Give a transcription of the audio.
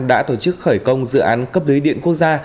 đã tổ chức khởi công dự án cấp lưới điện quốc gia